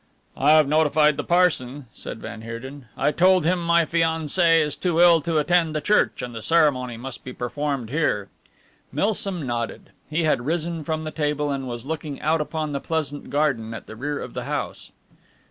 "I have notified the parson," said van Heerden. "I told him my fiancée is too ill to attend the church and the ceremony must be performed here." Milsom nodded. He had risen from the table and was looking out upon the pleasant garden at the rear of the house.